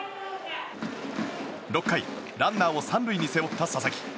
６回、ランナーを３塁に背負った佐々木。